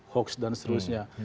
hoax dan seterusnya